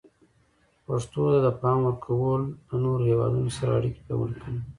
پښتو ته د پام ورکول د نورو هیوادونو سره اړیکې پیاوړي کوي.